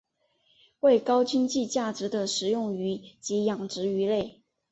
为高经济价值的食用鱼及养殖鱼类。